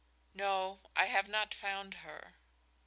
"No. I have not found her."